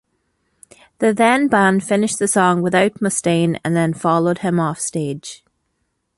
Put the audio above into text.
The then band finished the song without Mustaine, and then followed him offstage.